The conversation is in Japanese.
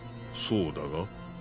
そうだが？